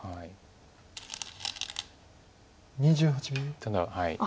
ただはい。